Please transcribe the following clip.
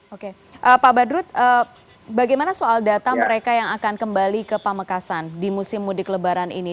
oke pak badrut bagaimana soal data mereka yang akan kembali ke pamekasan di musim mudik lebaran ini